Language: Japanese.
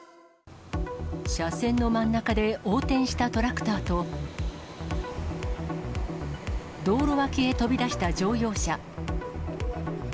車線の真ん中で横転したトラクターと、道路脇へ飛び出した乗用車。